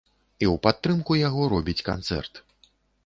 І ў падтрымку яго робіць канцэрт.